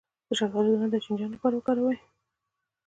د شفتالو دانه د چینجیانو لپاره وکاروئ